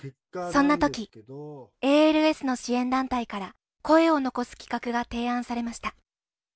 そんな時ＡＬＳの支援団体から声を残す企画が提案されました。